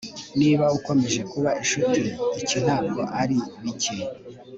Niba ukomeje kuba inshuti iki ntabwo ari bike